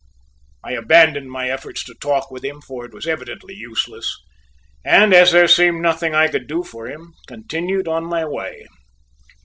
I abandoned my efforts to talk with him, for it was evidently useless, and as there seemed nothing I could do for him, continued on my way.